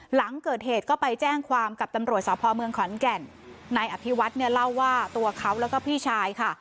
หลังเกิดเหตุก็ไปแจ้งความกับตำรวจสพเมืองขอนแก่นนายอภิวัฒน์เนี่ยเล่าว่าตัวเขาแล้วก็พี่ชายค่ะ